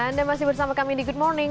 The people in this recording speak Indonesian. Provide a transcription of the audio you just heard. anda masih bersama kami di good morning